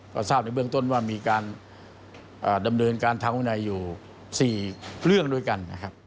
ก็ทราบในเบื้องต้นว่ามีการดำเนินการเท้าอุณหายอยู่๔เรื่องด้วยกัน